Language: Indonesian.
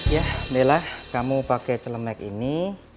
ya bila kamu pakai celemek ini